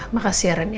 makasih ya ren